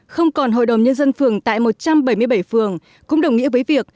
không còn hội đồng nhân dân phường tại một trăm bảy mươi bảy phường cũng đồng nghĩa với việc